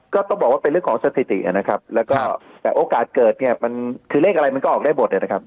ก็ต้องบอกว่าเป็นเรื่องของสถิตินะครับแล้วก็แต่โอกาสเกิดเนี่ยมันคือเลขอะไรมันก็ออกได้หมดนะครับ